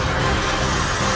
aku mau kesana